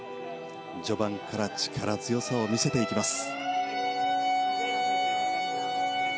序盤から力強さを見せていきます。